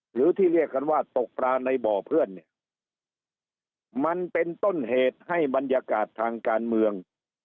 หรือที่เรียกกันว่าตกปลาในบ่อเพื่อนเนี่ยมันเป็นต้นเหตุให้บรรยากาศทางการเมือง